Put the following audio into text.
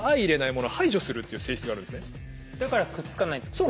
だからくっつかないってこと？